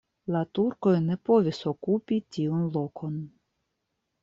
La turkoj ne povis okupi tiun lokon.